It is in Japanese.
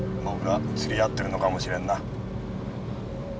僕らは釣り合ってるのかもしれんな。